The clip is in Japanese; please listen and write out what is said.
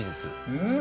うん！